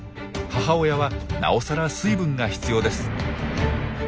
母親はなおさら水分が必要です。